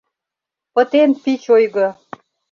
Пытен пич ойго!